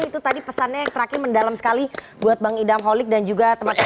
itu tadi pesannya yang terakhir mendalam sekali buat bang idam holik dan juga teman teman